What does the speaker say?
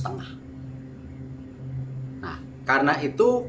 nah karena itu